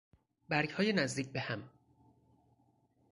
برگهای نزدیک به هم